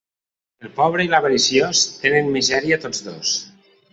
El pobre i l'avariciós tenen misèria tots dos.